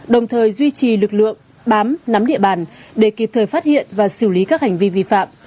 đồng thời duy trì lực lượng bám nắm địa bàn để kịp thời phát hiện và xử lý các hành vi vi phạm